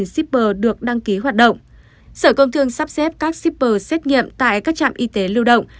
sở công thương sắp xếp các shipper xét nghiệm tại các trạm y tế lưu động